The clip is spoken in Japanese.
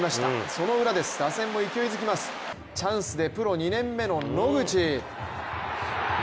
そのウラです、打線も勢いづきます、チャンスでプロ２年目の野口。